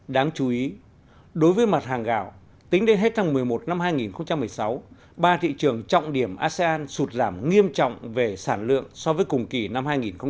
đáng chú ý đối với mặt hàng gạo tính đến hết tháng một mươi một năm hai nghìn một mươi sáu ba thị trường trọng điểm asean sụt giảm nghiêm trọng về sản lượng so với cùng kỳ năm hai nghìn một mươi tám